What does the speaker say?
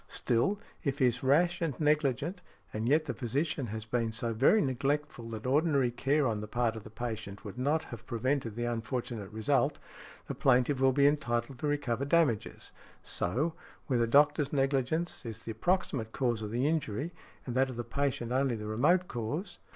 Still, if he is rash and negligent, and yet the |69| physician has been so very neglectful that ordinary care on the part of the patient would not have prevented the unfortunate result, the plaintiff will be entitled to recover damages . So, where the doctor's negligence is the proximate cause of the injury, and that of the patient only the remote cause .